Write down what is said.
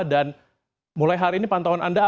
dan mulai hari ini pantauan anda